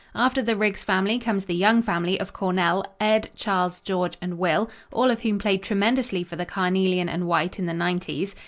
After the Riggs family comes the Young family of Cornell Ed., Charles, George and Will all of whom played tremendously for the Carnelian and White in the nineties.